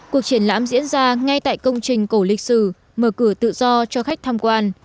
cuộc triển lãm diễn ra ngay tại công trình cổ lịch sử mở cửa tự do cho khách tham quan